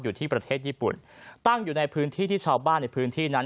อยู่ที่ประเทศญี่ปุ่นตั้งอยู่ในพื้นที่ที่ชาวบ้านในพื้นที่นั้น